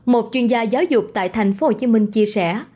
một chuyên gia giáo dục tại tp hcm chia sẻ